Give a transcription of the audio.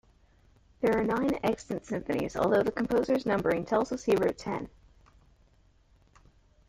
There are nine extant symphonies, although the composer's numbering tells us he wrote ten.